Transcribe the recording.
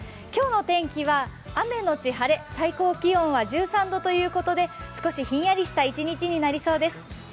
今日の天気は雨のち晴れ最高気温は１３度ということで少しひんやりした一日になりそうです。